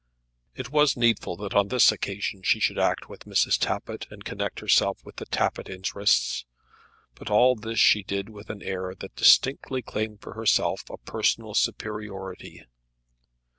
It was needful that on this occasion she should act with Mrs. Tappitt and connect herself with the Tappitt interests; but all this she did with an air that distinctly claimed for herself a personal superiority.